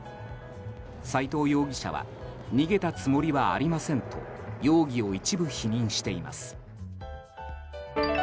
斉藤容疑者は逃げたつもりはありませんと容疑を一部否認しています。